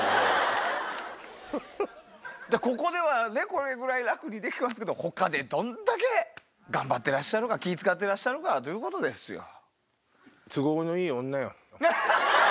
ここではこれぐらい楽にできてますけど他でどんだけ頑張ってらっしゃるか気ぃ使ってらっしゃるかということですよ。